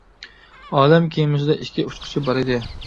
ئالەم كېمىسىدە ئىككى ئۇچقۇچى بار ئىدى.